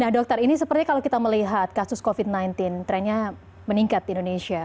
nah dokter ini sepertinya kalau kita melihat kasus covid sembilan belas trennya meningkat di indonesia